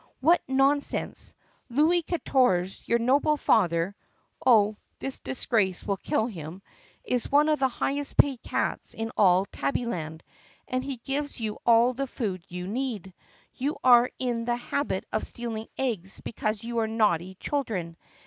What non sense! Louis Katorze, your noble father (Oh, this disgrace will kill him!) , is one of the highest paid cats in all Tabbyland, and he gives you all the food you need. You are in the habit of stealing eggs because you are naughty children.